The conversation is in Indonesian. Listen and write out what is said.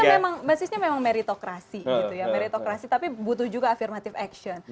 jadi basisnya memang meritokrasi tapi butuh juga affirmative action